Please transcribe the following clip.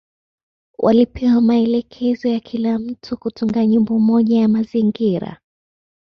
Walipewa maelekezo ya kila mtu kutunga nyimbo moja ya mazingira.